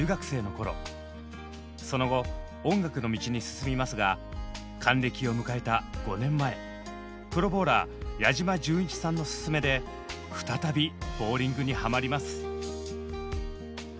その後音楽の道に進みますが還暦を迎えた５年前プロボウラー矢島純一さんのススメで再びボウリングにハマります。